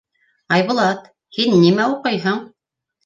— Айбулат, һин нимә уҡыйһың?